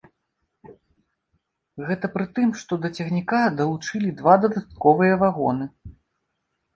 Гэта пры тым, што да цягніка далучылі два дадатковыя вагоны.